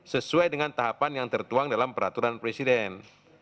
sesuai dengan tahapan yang tertuang dalam peraturan presiden